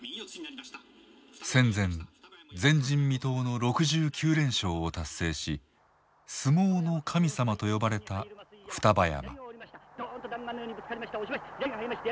戦前前人未到の６９連勝を達成し「相撲の神様」と呼ばれた双葉山。